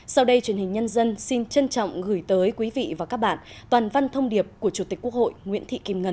sau đây truyền hình nhân dân xin trân trọng gửi tới quý vị và các bạn toàn văn thông điệp của chủ tịch quốc hội nguyễn thị kim ngân